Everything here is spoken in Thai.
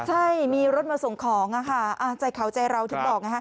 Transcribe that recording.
ใช่มีรถมาส่งของค่ะใจเขาใจเราถึงบอกนะคะ